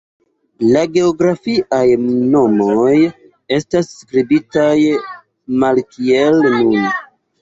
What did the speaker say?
La geografiaj nomoj estas skribitaj malkiel nun.